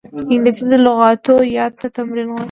انګلیسي د لغاتو یاد ته تمرین غواړي